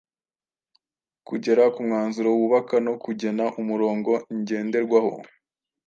kugera ku mwanzuro wubaka no kugena umurongo ngenderwaho.